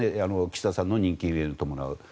岸田さんの任期に伴う。